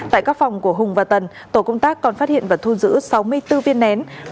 tại các phòng của hùng và tần tổ công tác còn phát hiện và thu giữ sáu mươi bốn viên nén